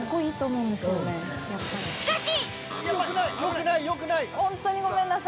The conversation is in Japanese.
しかし。